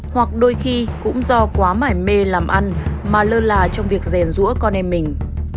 hoặc đôi khi cũng do quá mải mê làm ăn mà lơ là trong việc rèn rũa con em mình